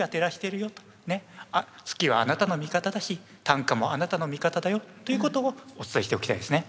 月はあなたの味方だし短歌もあなたの味方だよということをお伝えしておきたいですね。